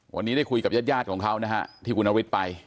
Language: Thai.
วันนี้ได้คุยกับญาติของเขานะฮะที่คุณนฤทธิ์ไป